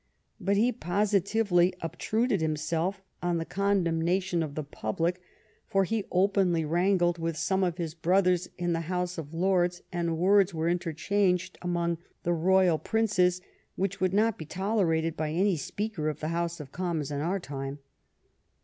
But he positively obtruded himself on the condemnation of the public, for he openly wrangled with some of his brothers in the House of Lords, and words were interchanged among the royal princes which would not be tolerated by any Speaker of the House of Commons in our time.